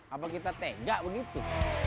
apa kita tega begitu